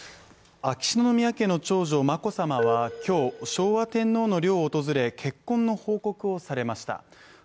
秋篠宮家の長女眞子さまは今日、昭和天皇の陵を訪れ結婚の報告をされました。